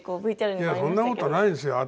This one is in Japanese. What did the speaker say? いやそんなことないですよ。